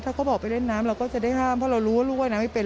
ถ้าเขาบอกไปเล่นน้ำเราก็จะได้ห้ามเพราะเรารู้ว่าลูกว่ายน้ำไม่เป็น